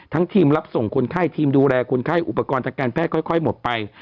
ทีมรับส่งคนไข้ทีมดูแลคนไข้อุปกรณ์ทางการแพทย์ค่อยหมดไป